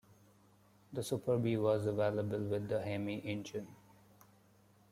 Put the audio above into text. The Super Bee was available with the Hemi engine.